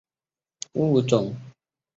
该物种的模式产地在长崎和日本。